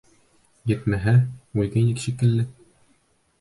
Етмәһә... үлгәйнең шикелле.